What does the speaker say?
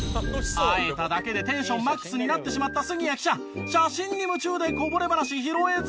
会えただけでテンションＭＡＸになってしまった杉谷記者写真に夢中でこぼれ話拾えず！